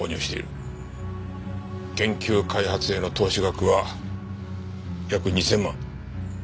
研究開発への投資額は約２０００万。